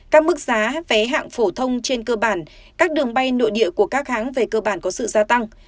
các mức giá vé hạng phổ thông trên cơ bản các đường bay nội địa của các hãng về cơ bản có sự gia tăng